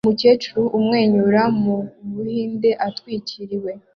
Umukecuru umwenyura mubuhinde atwikiriwe